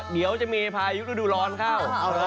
เดี๋ยวจะมีพายุฤดูร้อนเข้า